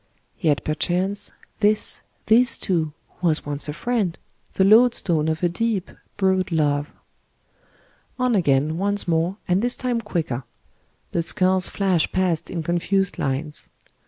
Yet perchance, tbisj this too, was once a friend, the load stone of a deep, broad love. On again, once more, and this time quicker. The skulls flash past in confused lines.